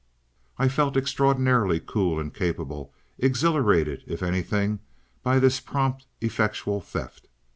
I felt extraordinarily cool and capable, exhilarated, if anything, by this prompt, effectual theft.